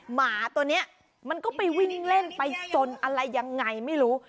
หมาตัวนี้มันก็ไปวิ่งเล่นไปจนอะไรยังไงไม่รู้